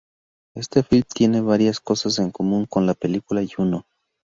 Este film tiene varias cosas en común con la película "Juno".